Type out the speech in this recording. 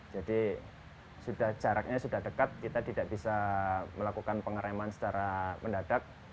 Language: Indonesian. jadi jaraknya sudah dekat kita tidak bisa melakukan pengereman secara mendadak